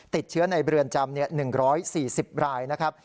ติดเชื้อในเรือนจำ๑๔๐รายนะครับ